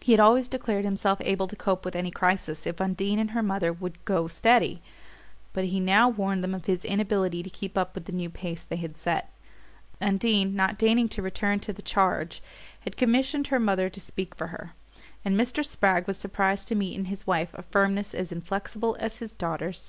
He had always declared himself able to cope with any crisis if Undine and her mother would "go steady"; but he now warned them of his inability to keep up with the new pace they had set. Undine, not deigning to return to the charge, had commissioned her mother to speak for her; and Mr. Spragg was surprised to meet in his wife a firmness as inflexible as his daughter's.